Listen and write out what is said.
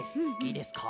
いいですか？